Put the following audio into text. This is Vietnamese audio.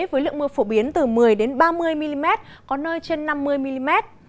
với lượng mưa phổ biến từ một mươi ba mươi mm có nơi trên năm mươi mm